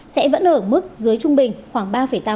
sẽ vẫn ở mức dưới trung bình khoảng ba tám